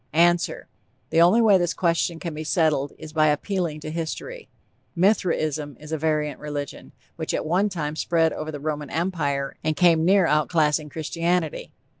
_) ANSWER: The only way this question can be settled is by appealing to history. Mithraism is a variant religion, which at one time spread over the Roman Empire and came near outclassing Christianity.